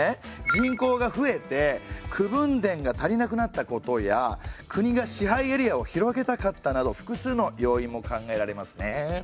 人口が増えて口分田がたりなくなったことや国が支配エリアを広げたかったなど複数の要因も考えられますね。